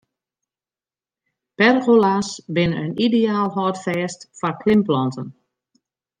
Pergola's binne in ideaal hâldfêst foar klimplanten.